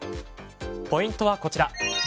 ポイントはこちら。